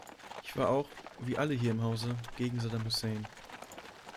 Ich war auch, wie alle hier im Hause, gegen Saddam Hussein.